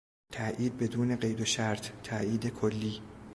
تایید بدون قید و شرط، تایید کلی